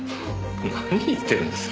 何言ってるんですか。